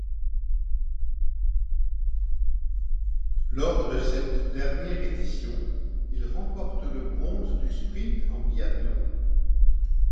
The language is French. Lors de cette dernière édition, il remporte le bronze du sprint en biathlon.